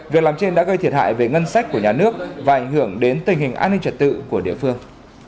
việc làm trên đã gây thiệt hại về ngân sách của nhà nước và ảnh hưởng đến tình hình an ninh trật tự của địa phương